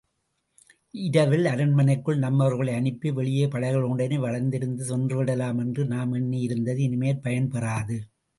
இரவில் அரண்மனைக்குள் நம்மவர்களை அனுப்பி வெளியே படைகளுடனே வளைத்திருந்து வென்றுவிடலாம் என்று நாம் எண்ணியிருந்தது இனிமேற் பயன் பெறாது!